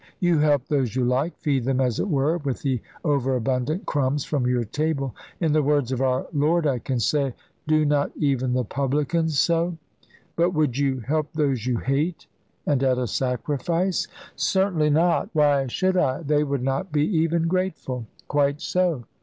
You help those you like feed them, as it were, with the over abundant crumbs from your table; in the words of our Lord I can say, 'Do not even the publicans so?' But would you help those you hate, and at a sacrifice?" "Certainly not. Why should I? They would not be even grateful." "Quite so.